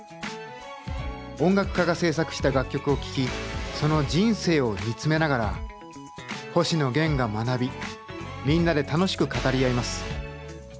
音楽家が制作した楽曲を聴きその人生を見つめながら星野源が学びみんなで楽しく語り合います。